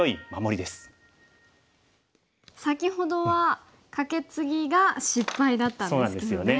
先ほどはカケツギが失敗だったんですよね。